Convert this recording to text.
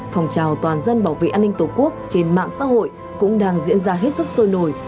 phòng trào toàn dân bảo vệ an ninh tổ quốc trên mạng xã hội cũng đang diễn ra hết sức sôi nổi